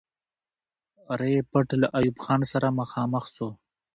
رایپټ له ایوب خان سره مخامخ سو.